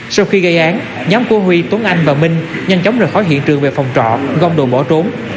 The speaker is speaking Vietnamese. sau khi gây án nhóm của huy tuấn anh và minh nhanh chóng rời khỏi hiện trường về phòng trọ gom đồ bỏ trốn